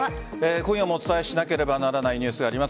今夜もお伝えしなければならないニュースがあります。